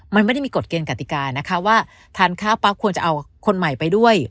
มันไม่ได้มีกฎเกณฑิกานะคะว่าทานข้าวปั๊บควรจะเอาคนใหม่ไปด้วย